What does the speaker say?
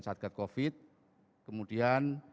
satgas covid kemudian